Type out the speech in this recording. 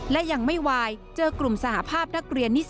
และยังไม่วายเจอกลุ่มสหภาพนักเรียนนิส